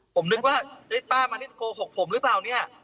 ผมนึกว่าป้ามานิดโกหกผมหรือเปล่าเนี่ย